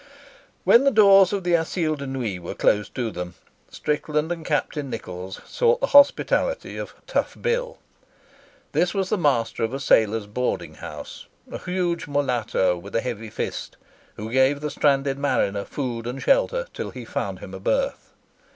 When the doors of the Asile de Nuit were closed to them, Strickland and Captain Nichols sought the hospitality of Tough Bill. This was the master of a sailors' boarding house, a huge mulatto with a heavy fist, who gave the stranded mariner food and shelter till he found him a berth.